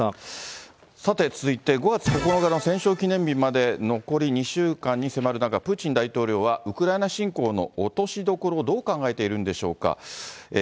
さて、続いて５月９日の戦勝記念日まで残り２週間に迫る中、プーチン大統領はウクライナ侵攻の落としどころをどう考えているんでしょうか。